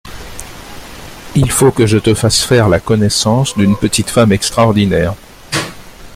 Il faut que je te fasse faire la connaissance d'une petite femme extraordinaire.